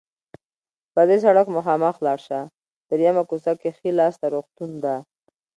په دې سړک مخامخ لاړ شه، دریمه کوڅه کې ښي لاس ته روغتون ده.